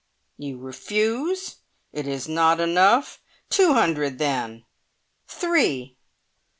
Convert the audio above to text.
"You refuse! It is not enough? Two hundred then! Three!"